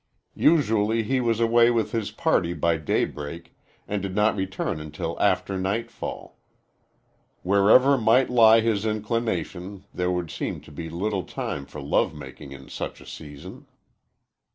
Usually he was away with his party by daybreak and did not return until after nightfall. Wherever might lie his inclination there would seem to be little time for love making in such a season.